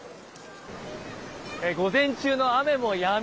午前中の雨もやみ